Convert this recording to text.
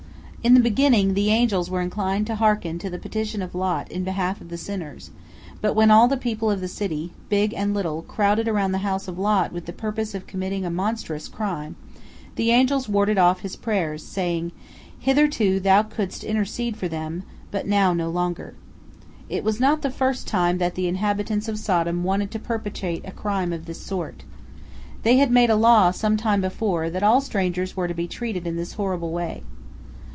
In the beginning the angels were inclined to hearken to the petition of Lot in behalf of the sinners, but when all the people of the city, big and little, crowded around the house of Lot with the purpose of committing a monstrous crime, the angels warded off his prayers, saying, "Hitherto thou couldst intercede for them, but now no longer." It was not the first time that the inhabitants of Sodom wanted to perpetrate a crime of this sort. They had made a law some time before that all strangers were to be treated in this horrible way.